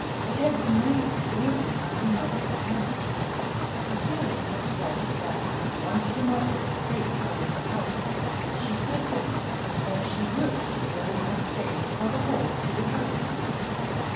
It had been made really on her mother's account; Cecilia had said that if once her mother was safe out of the house, she could then, and she would the very next day tell the whole to her husband.